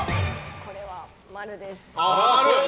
これは○です。